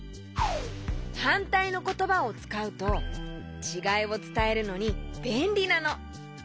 はんたいのことばをつかうとちがいをつたえるのにべんりなの！